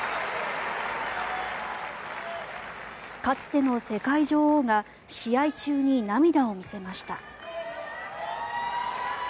かつての世界女王が試合中に涙を見せました。